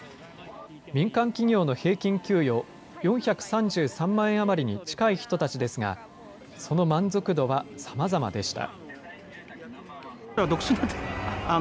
民間企業の平均給与４３３万円余りに近い人たちですが、その満足度はさまざまでした。